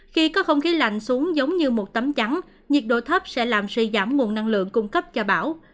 khi có không khí lạnh xuống giống như một tấm chắn nhiệt độ thấp sẽ làm suy giảm nguồn năng lượng cung cấp cho bão